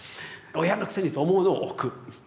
「親のくせに」と思うのを置く。